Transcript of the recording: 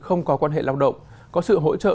không có quan hệ lao động có sự hỗ trợ